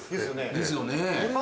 ですよね。